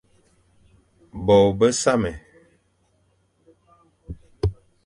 Bô besamé,